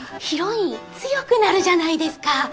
ヒロイン強くなるじゃないですか。